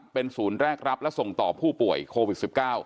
เป็นศูนย์แรกรับและส่งต่อผู้ป่วยโควิด๑๙